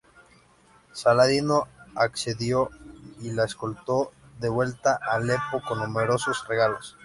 Saladino accedió y la escoltó de vuelta a Alepo con numerosos regalos.